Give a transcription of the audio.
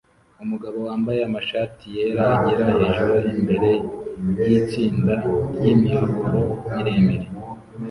Umugabo wambaye amashati yera agera hejuru imbere yitsinda ryimiyoboro miremire